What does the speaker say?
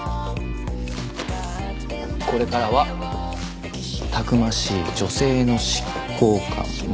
これからはたくましい女性の執行官も。